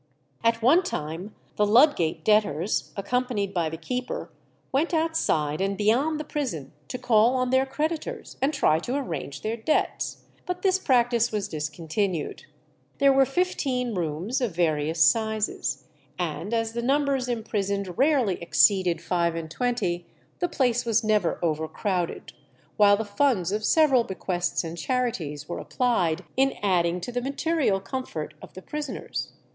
At one time the Ludgate debtors, accompanied by the keeper, went outside and beyond the prison to call on their creditors, and try to arrange their debts, but this practice was discontinued. There were fifteen rooms of various sizes, and as the numbers imprisoned rarely exceeded five and twenty, the place was never overcrowded, while the funds of several bequests and charities were applied in adding to the material comfort of the prisoners.